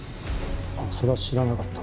それは知らなかった。